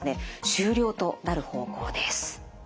終了となる方向です。